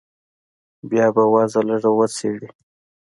بيا به وضع لږه وڅېړې.